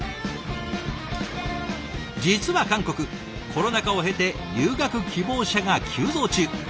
実は韓国コロナ禍を経て留学希望者が急増中。